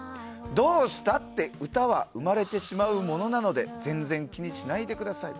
どうしたって歌は生まれてしまうものなので全然気にしないでください。